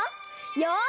よし！